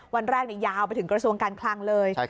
วันแรกยาวไปถึงกระทรวงการคลังเลย